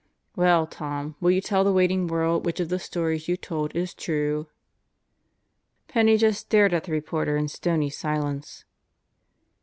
"Well, Tom, will you tell the waiting world which of the stories you told is true?" Penney just stared at the reporter in stony silence.